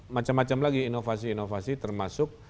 macam macam lagi inovasi inovasi termasuk